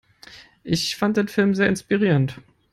Ich fand den Film sehr inspirierend.